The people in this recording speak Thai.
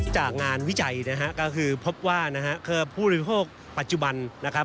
จากงานวิจัยก็คือพบว่าผู้โดยโปรกปัจจุบัน